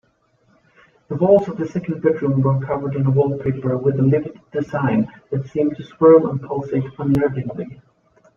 The walls of the second bedroom were covered in a wallpaper with a livid design that seemed to swirl and pulsate unnervingly.